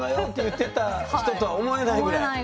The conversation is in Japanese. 言ってた人とは思えないぐらい。